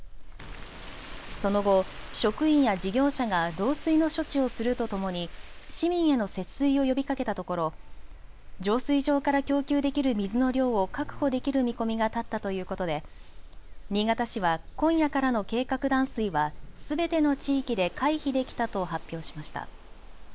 その後、職員や事業者が漏水の処置をするとともに市民への節水を呼びかけたところ浄水場から供給できる水の量を確保できる見込みが立ったということで新潟市は今夜からの計画断水はすべての地域で回避できたと発表しました。